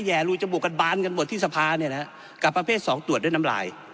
รูจมูกกันบานกันหมดที่สภาเนี่ยนะฮะกับประเภทสองตรวจด้วยน้ำลาย